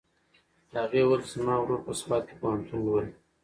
هغې وویل چې زما ورور په سوات کې پوهنتون لولي.